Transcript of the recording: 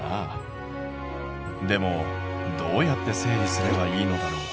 でもどうやって整理すればいいのだろう？